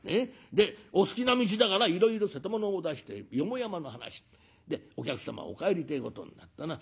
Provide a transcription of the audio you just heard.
でお好きな道だからいろいろ瀬戸物を出して四方山の話。でお客様お帰りてえことになったな。